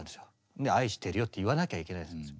で「愛してるよ」って言わなきゃいけないやつなんですよ。